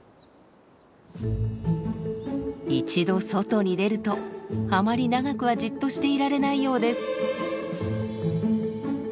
一度外に出るとあまり長くはじっとしていられないようです。